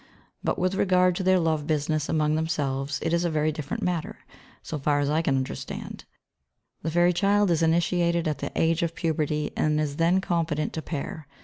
] But with regard to their love business among themselves it is a very different matter, so far as I can understand it. The fairy child is initiated at the age of puberty and is then competent to pair.